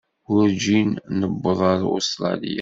Werǧin newweḍ ar Ustṛalya.